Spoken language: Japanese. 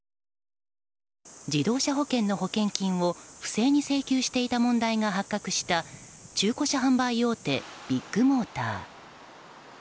自動車保険の保険金を不正に請求していた問題が発覚した中古車販売大手、ビッグモーター。